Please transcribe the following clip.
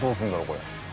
これ。